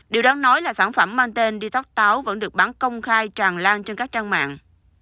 điều đáng nói là sản phẩm mang tên detox táo vẫn được bán công khai tràn lan trên các trang mạng